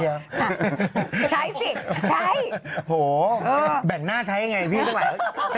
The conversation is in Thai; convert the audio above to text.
โหแบ่งหน้าใช้กันเง่นไงพี่